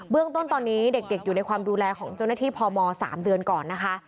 เรื่องต้นตอนนี้เด็กอยู่ในความดูแลของเจ้าหน้าที่พม๓เดือนก่อนนะคะ